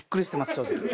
正直。